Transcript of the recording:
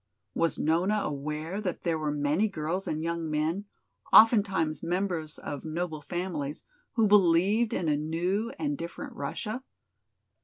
Was Nona aware that there were many girls and young men, oftentimes members of noble families, who believed in a new and different Russia?